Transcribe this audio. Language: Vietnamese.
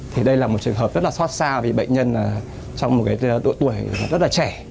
thì đây là một trường hợp rất xót xa vì bệnh nhân trong một tuổi rất trẻ